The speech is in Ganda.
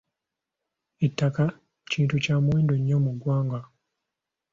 Ettaka kintu kya muwendo nnyo mu ggwanga.